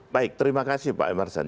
baik terima kasih pak emerson